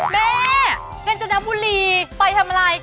แม่เกินจนดำบุรีไปทำอะไร